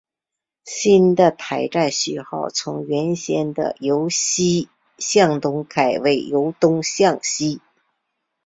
新的站台序号从原先的由西向东改为由东向西。